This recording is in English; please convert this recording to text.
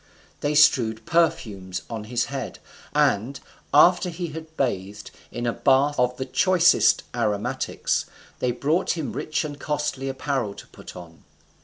They strewed perfumes on his head, and, after he had bathed in a bath of the choicest aromatics, they brought him rich and costly apparel to put on.